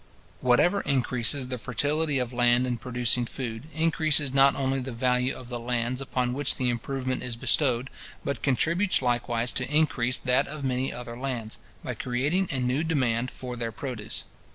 Whatever increases the fertility of land in producing food, increases not only the value of the lands upon which the improvement is bestowed, but contributes likewise to increase that of many other lands, by creating a new demand for their produce.